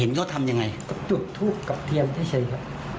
เห็นก็ทำยังไงก็จุดทุกข์กับเทียมที่เฉยครับ